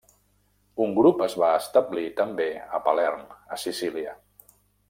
Un grup es va establir també a Palerm a Sicília.